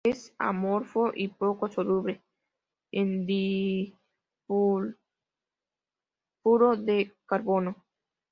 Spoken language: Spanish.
Es amorfo y poco soluble en disulfuro de carbono.